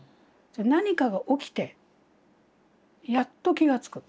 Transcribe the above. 何かが起きてやっと気が付く。